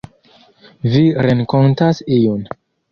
Vi renkontas iun.